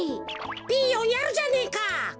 ピーヨンやるじゃねえか。